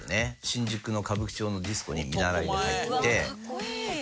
新宿の歌舞伎町のディスコに見習いで入って。